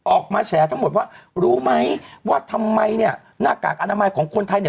ออกมาแฉทั้งหมดว่ารู้ไหมว่าทำไมเนี่ยหน้ากากอนามัยของคนไทยเนี่ย